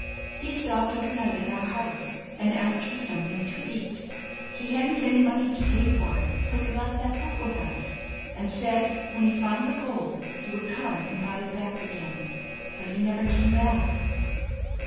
He stopped over night at our house, and asked for something to eat. He hadn't any money to pay for it; so he left that book with us, and said when he found the gold he would come and buy it back again. But he never came back."